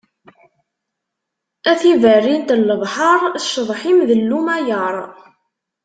A tiberrint n lebḥer, cceḍḥ-im d llumayer.